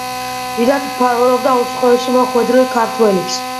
დიდად მფარველობდა უცხოეთში მოხვედრილ ქართველებს.